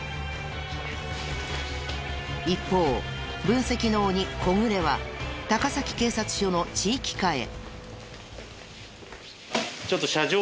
一方分析の鬼小暮は高崎警察署の地域課へ。